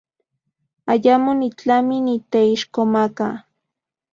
Ayamo nitlami niteixkomaka.